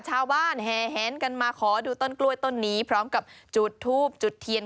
แห่แหนกันมาขอดูต้นกล้วยต้นนี้พร้อมกับจุดทูบจุดเทียน